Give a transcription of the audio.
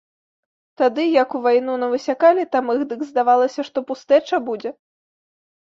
Тады, як у вайну навысякалі там іх, дык здавалася, што пустэча будзе.